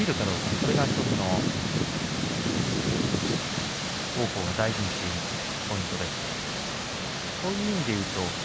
これが１つ王鵬が大事にしているポイントです。